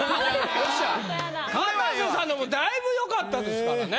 かたせさんのもだいぶよかったですからね。